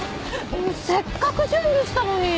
せっかく準備したのに。